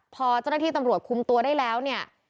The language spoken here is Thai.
พอเจ้าหน้าที่ตำรวจคุมตัวได้แล้วเนี่ย